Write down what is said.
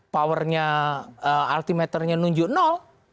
powernya altimeternya nunjuk nol